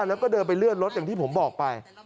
แล้วก็เดินไปเลื่อนรถอย่างที่ผมบอกไป